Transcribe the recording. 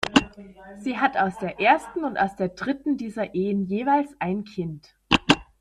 Sie hat aus der ersten und aus der dritten dieser Ehen jeweils ein Kind.